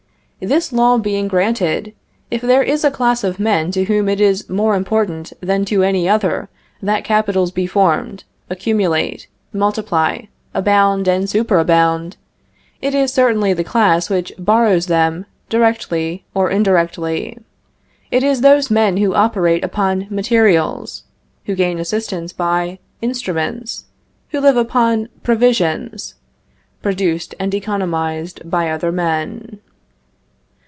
This law being granted, if there is a class of men to whom it is more important than to any other that capitals be formed, accumulate, multiply, abound, and superabound, it is certainly the class which borrows them directly or indirectly; it is those men who operate upon materials, who gain assistance by instruments, who live upon provisions, produced and economized by other men.